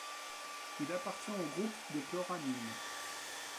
Il appartient au groupe des chloramines.